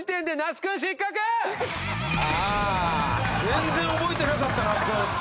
全然覚えてなかった那須君。